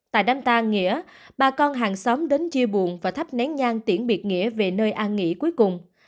tại đám tang nghĩa bà con hàng xóm đến chia buồn và thắp nén nhang tiễn biệt nghĩa về nơi an nghỉ cuối cùng